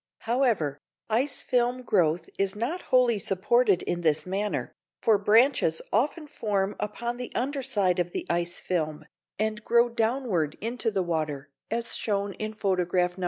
However, ice film growth is not wholly supported in this manner, for branches often form upon the under side of the ice film, and grow downward into the water, as shown in photograph No.